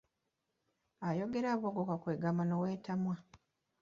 Ayogera aboggoka kwe ggamba ne weetamwa.